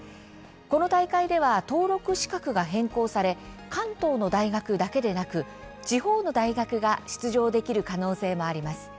この大会では登録資格が変更され関東の大学だけでなく地方の大学が出場できる可能性もあります。